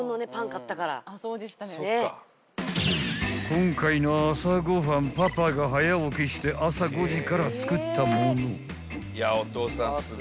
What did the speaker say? ［今回の朝ご飯パパが早起きして朝５時から作ったもの］